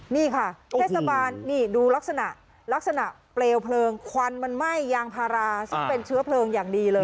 นี่ค่ะเทศบาลนี่ดูลักษณะลักษณะเปลวเพลิงควันมันไหม้ยางพาราซึ่งเป็นเชื้อเพลิงอย่างดีเลย